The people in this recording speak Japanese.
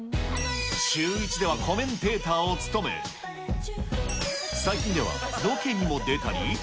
シューイチではコメンテーターを務め、最近では、ロケにも出たり。